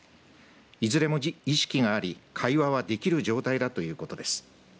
いずれも意識があり会話はできる状態だということです。